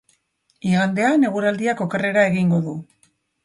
Igandean, eguraldiak okerrera egingo du.